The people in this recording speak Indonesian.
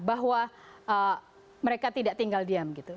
bahwa mereka tidak tinggal diam gitu